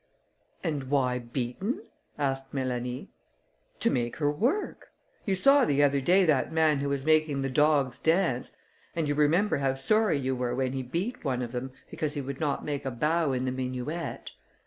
"And why beaten?" asked Mélanie. "To make her work. You saw the other day that man who was making the dogs dance, and you remember how sorry you were when he beat one of them, because he would not make a bow in the minuet.